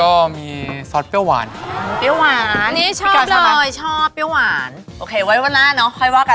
ก็มีซอสเปรี้ยวหวานครับ